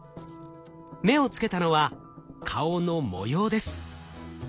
目をつけたのは顔の模様です。